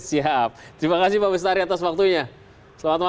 siap terima kasih pak bestari atas waktunya selamat malam